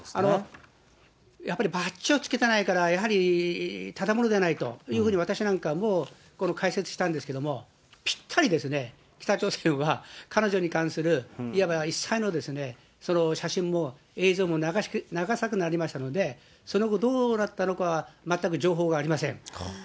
やっぱりバッジをつけてないから、やはりただ者ではないというふうに、私なんかも解説したんですけれども、ぴったりですね、北朝鮮は彼女に関する、いわば一切の写真も映像も流さなくなりましたので、その後どうなったのかは、全く情報がありません。